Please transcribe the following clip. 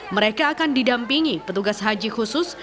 mereka akan didampingi petugas haji khusus